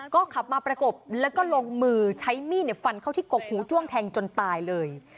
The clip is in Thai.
ก็ขับมาประกบแล้วก็ลงมือใช้มีดฟันเข้าที่กกหูจ้วงแทงจนตายเลย